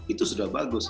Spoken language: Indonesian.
itu sudah bagus